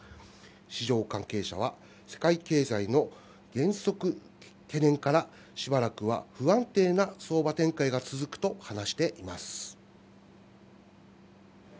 市場関係者は世界経済の減速懸念から、しばらくは不安定な相場展開が続くと話しています。